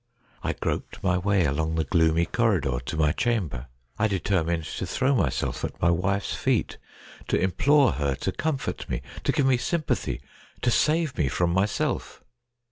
I groped my way along the gloomy corridor to my chamber. I determined to throw myself at my wife's feet, to implore her to comfort me, to give me sympathy, to save me from my self.